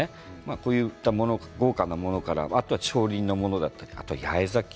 こういった豪華なものからあとは中輪のものだったり八重咲き。